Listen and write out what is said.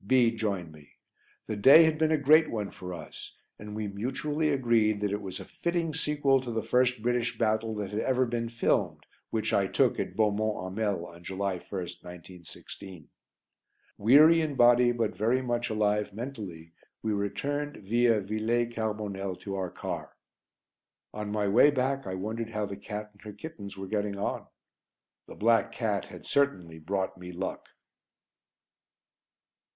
B joined me; the day had been a great one for us, and we mutually agreed that it was a fitting sequel to the first British battle that had ever been filmed which I took at Beaumont Hamel on July 1st, 1916. Weary in body, but very much alive mentally, we returned via Villers Carbonel to our car. On my way back I wondered how the cat and her kittens were getting on. The black cat had certainly brought me luck.